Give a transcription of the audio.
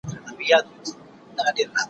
چاته غل چاته عسکر وو په نس موړ وو